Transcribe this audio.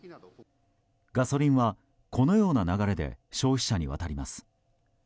ガソリンはこのような流れで消費者に渡ります。